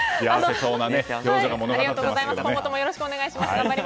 今後ともよろしくお願いします。